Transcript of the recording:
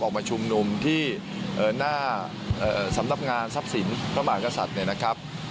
ออกมาชุมนุมที่หน้าสำนักงานทรัพย์สินพระมหากษัตริย์เนี่ยนะครับ